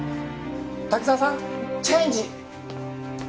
滝沢さんチェンジ！